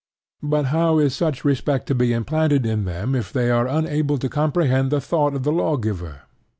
But how is such respect to be implanted in them if they are unable to comprehend the thought of the lawgiver?